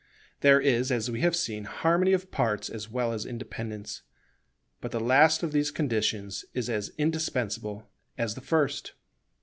There is, as we have seen, harmony of parts as well as independence, but the last of these conditions is as indispensable as the first.